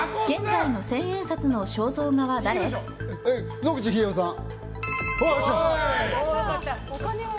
野口英世さん。